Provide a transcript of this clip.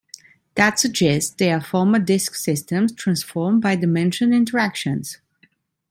That suggests they are former disk systems, transformed by the mentioned interactions.